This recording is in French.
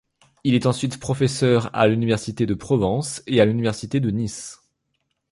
Il est ensuite professeur à l'Université de Provence et à l'Université de Nice.